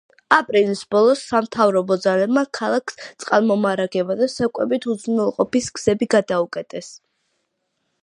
აპრილის ბოლოს სამთავრობო ძალებმა ქალაქს წყალმომარაგება და საკვებით უზრუნველყოფის გზები გადაუკეტეს.